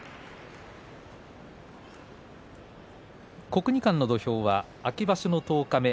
国技館の土俵は秋場所の十日目。